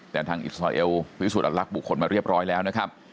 แต่ทางอิสราเอลพิสูจนอัตลักษณ์บุคคลมาเรียบร้อยแล้วนะครับ